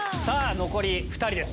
残り２人です。